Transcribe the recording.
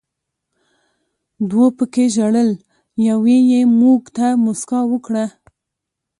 دوو پکې ژړل، یوې یې موږ ته موسکا وکړه.